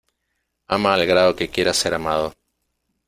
Ama al grado que quieras ser amado.